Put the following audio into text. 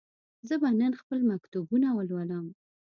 زه به نن خپل مکتوبونه ولولم.